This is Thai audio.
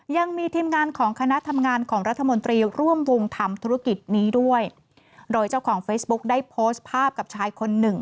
ยังมีทีมงานของคณะทำงานของรัฐมนตรีร่วมวงทำธุรกิจนี้ด้วยโดยเจ้าของเฟซบุ๊กได้โพสต์ภาพกับชายคนหนึ่ง